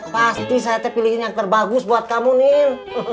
pasti saya pilihin yang terbagus buat kamu nin